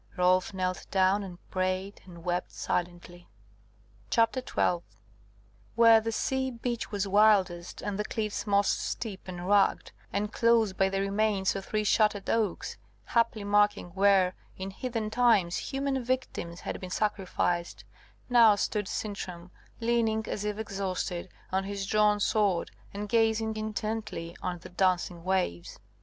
Rolf knelt down and prayed, and wept silently. CHAPTER 12 Where the sea beach was wildest, and the cliffs most steep and rugged, and close by the remains of three shattered oaks, haply marking where, in heathen times, human victims had been sacrificed, now stood Sintram, leaning, as if exhausted, on his drawn sword, and gazing intently on the dancing waves.